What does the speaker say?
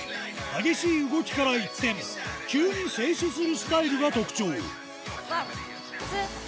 激しい動きから一転、急に静止するスタイルが特徴。